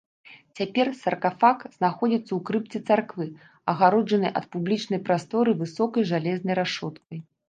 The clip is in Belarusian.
Цяпер саркафаг знаходзіцца ў крыпце царквы, адгароджаны ад публічнай прасторы высокай жалезнай рашоткай.